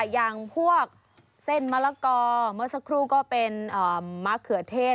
อย่างพวกเส้นมะละกอเมื่อสักครู่ก็เป็นมะเขือเทศ